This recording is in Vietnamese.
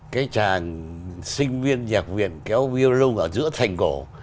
cái chàng sinh viên nhạc viện kéo viên lung ở giữa thành cổ